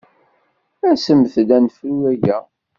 Asemt-d ad nefru aya!